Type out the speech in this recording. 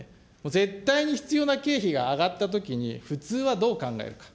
絶対に必要な経費が上がったときに、普通はどう考えるか。